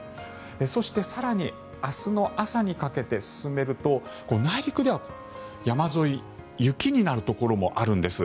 そして、更に明日の朝にかけて進めると内陸では山沿い雪になるところもあるんです。